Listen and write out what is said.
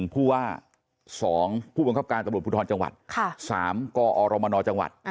ผู้ว่า๒ผู้บังคับการตำรวจภูทรจังหวัด๓กอรมนจังหวัด